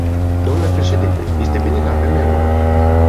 Dle președinte, este bine că avem euro.